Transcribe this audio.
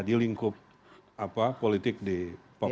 di lingkup politik di pemilu